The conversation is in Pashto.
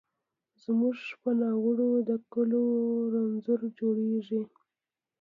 زموږ په ناړو د کلو رنځور جوړیږي